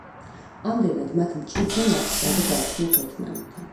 ამდენად, მათ მჭიდრო ნათესაობა გააჩნიათ ერთმანეთთან.